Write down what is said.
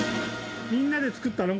みんなで造ったの？